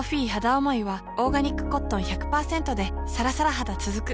おもいはオーガニックコットン １００％ でさらさら肌つづく